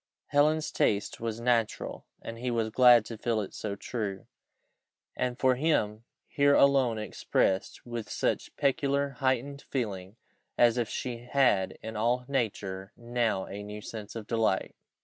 Helen's taste was natural, and he was glad to feel it so true, and for him here alone expressed with such peculiar heightened feeling, as if she had in all nature now a new sense of delight.